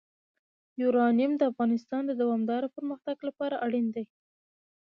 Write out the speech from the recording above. یورانیم د افغانستان د دوامداره پرمختګ لپاره اړین دي.